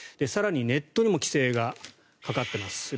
更にネットにも規制がかかっています。